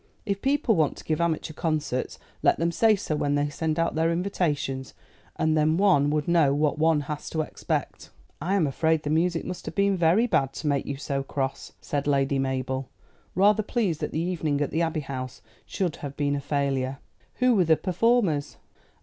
If people want to give amateur concerts, let them say so when they send out their invitations, and then one would know what one has to expect." "I am afraid the music must have been very bad to make you so cross," said Lady Mabel, rather pleased that the evening at the Abbey House should have been a failure. "Who were the performers?"